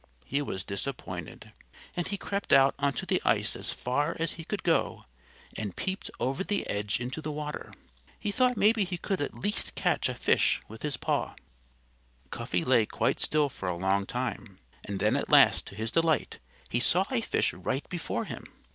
He was disappointed. And he crept out onto the ice as far as he could go and peeped over the edge into the water. He thought maybe he could at least catch a fish with his paw. Cuffy lay quite still for a long time. And then at last to his delight he saw a fish right before him.